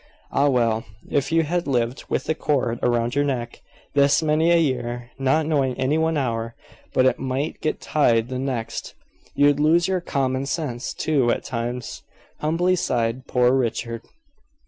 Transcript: "Ah, well, if you had lived with the cord around your neck this many a year, not knowing any one hour but it might get tied the next, you'd lose your common sense, too, at times," humbly sighed poor Richard.